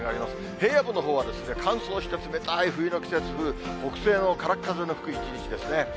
平野部のほうは、乾燥した冷たい冬の季節風、北西のからっ風の吹く一日ですね。